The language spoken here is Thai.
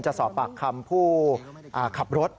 จะสอบปากคำผู้ขับรถ